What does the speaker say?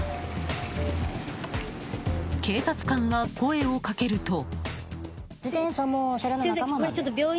警察官が声をかけると。